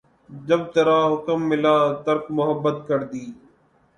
جب ترا حکم ملا ترک محبت کر دی